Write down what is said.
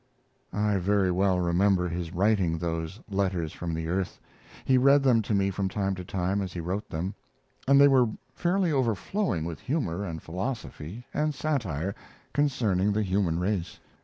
I very well remember his writing those 'Letters from the Earth'. He read them to me from time to time as he wrote them, and they were fairly overflowing with humor and philosophy and satire concerning the human race.